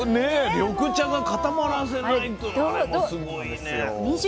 緑茶が固まらせないというあれもすごいね。